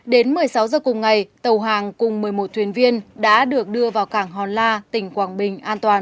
đến một mươi sáu giờ cùng ngày tàu hàng cùng một mươi một thuyền viên đã được đưa vào cảng hòn la tỉnh quảng bình an toàn